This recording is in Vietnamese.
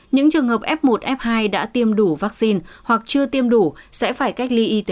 những trường hợp f một f hai đã tiêm đủ vắc xin hoặc chưa tiêm đủ sẽ phải cách ly